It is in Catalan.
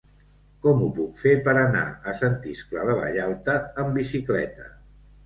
Com ho puc fer per anar a Sant Iscle de Vallalta amb bicicleta?